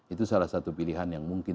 itu salah satu pilihan yang mungkin